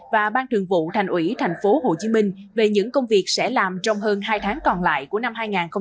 và ban thường vụ thành ủy tp hcm về những công việc sẽ làm trong hơn hai tháng còn lại của năm hai nghìn hai mươi